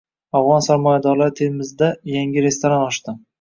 Afg‘on sarmoyadorlari Termizda yangi restoran ochdi